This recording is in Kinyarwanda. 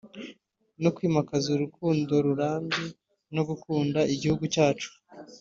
no kwimakaza urukundo rurambye no gukunda igihugu cyacu